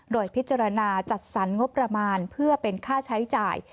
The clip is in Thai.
โดยพิจารณาจัดสรรงบประมาณเพื่อเป็นค่าใช้จ่าย